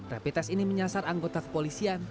repitest ini menyasar anggota kepolisian